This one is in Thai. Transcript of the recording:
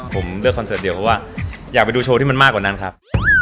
ผมเลือกคอนเสิร์ตเดียวเพราะว่าอยากไปดูโชว์ที่มันมากกว่านั้นครับ